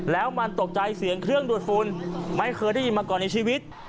แล้วมันตกใจเสียงเครื่องดูดฝุ่นไม่เคยได้ยินมาก่อนในชีวิต